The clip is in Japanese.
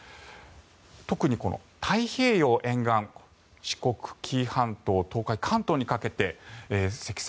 特に太平洋沿岸、四国、紀伊半島東海、関東にかけて積算